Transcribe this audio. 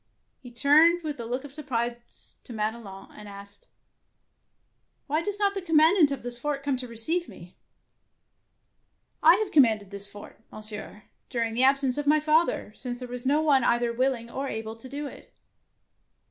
He turned with a look of surprise to Madelon, and asked, —" Why does not the commandant of this fort come to receive meT' " I have commanded this fort. Mon sieur, during the absence of my father, since there was none other either will ing or able to do it.